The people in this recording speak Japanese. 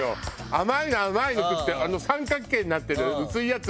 甘いの甘いの食ってあの三角形になってる薄いやつ。